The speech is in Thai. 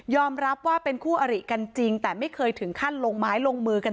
รับว่าเป็นคู่อริกันจริงแต่ไม่เคยถึงขั้นลงไม้ลงมือกัน